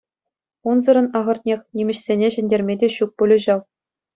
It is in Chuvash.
Унсӑрӑн, ахӑртнех, нимӗҫсене ҫӗнтерме те ҫук пулӗ ҫав.